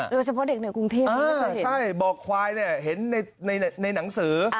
หรือว่าเฉพาะเด็กเหนือกรุงเทพไม่เคยเห็นอ่าใช่บอกควายเนี่ยเห็นในหนังสือ